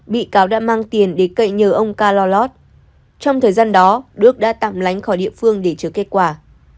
bị cáo đã mang tiền để cậy nhờ ông ca lo lót trong thời gian đó đức đã tạm lánh khỏi địa phương để chờ kết quả